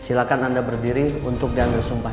silakan anda berdiri untuk mengandai sumpah